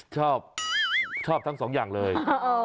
ชอบชอบทั้งสองอย่างเลย